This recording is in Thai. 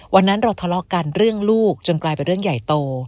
วันนั้นเราทะเลาะกันเรื่องลูกจนกลายเป็นเรื่องใหญ่โต